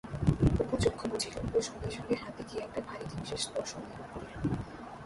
অপু চক্ষু বুজিল ও সঙ্গে সঙ্গে হাতে কি একটা ভারী জিনিসের স্পর্শ অনুভব করিল।